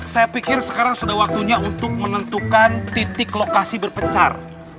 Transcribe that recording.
saya pikir sekarang sudah waktunya untuk menentukan titik lokasi berpencar